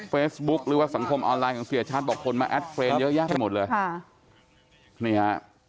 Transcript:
เฟซบุ๊คหรือว่าสังคมออนไลน์ของเสียชัดบอกคนมาแอดเฟรนเยอะแยะไปหมดเลยค่ะนี่ฮะ